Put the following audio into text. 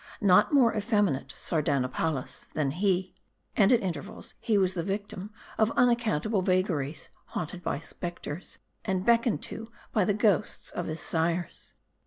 Not more effeminate Sardanapalus, than he. And, at intervals, he was the victim of unaccountable vagaries ; haunted by specters, and beckoned to by the ghosts of his sires.